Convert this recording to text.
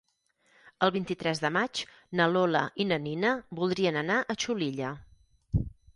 El vint-i-tres de maig na Lola i na Nina voldrien anar a Xulilla.